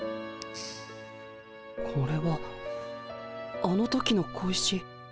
これはあの時の小石。